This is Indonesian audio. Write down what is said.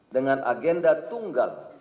dengan agenda tunggal